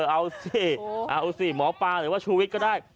เอาสิเอาสิหมอปลาหรือว่าชูวิทย์ก็ได้